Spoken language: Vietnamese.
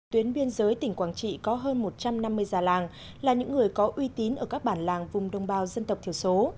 tuyến biên giới tỉnh quảng trị có hơn một trăm năm mươi già làng là những người có uy tín ở các bản làng vùng đông bao dân tộc thiểu số